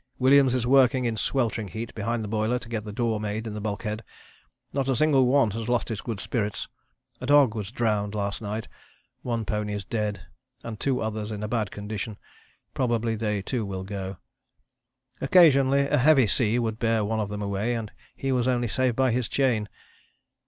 Williams is working in sweltering heat behind the boiler to get the door made in the bulkhead. Not a single one has lost his good spirits. A dog was drowned last night, one pony is dead and two others in a bad condition probably they too will go. Occasionally a heavy sea would bear one of them away, and he was only saved by his chain.